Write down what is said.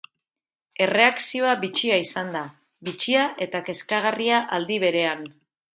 Erreakzioa bitxia izan da, bitxia eta kezkagarria aldi berean.